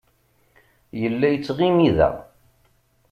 Yella yettɣimi da.